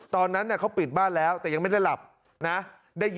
ตอนนั้นเขาปิดบ้านแล้วแต่ยังไม่ได้หลับนะ